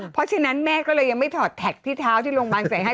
เพราะฉะนั้นแม่ก็เลยยังไม่ถอดแท็กพี่เท้าที่โรงพยาบาลใส่ให้